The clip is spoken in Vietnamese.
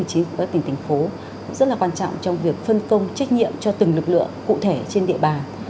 chí của các tỉnh thành phố cũng rất là quan trọng trong việc phân công trách nhiệm cho từng lực lượng cụ thể trên địa bàn